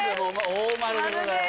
大「○」でございます。